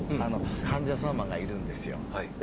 患者様がいるんですよで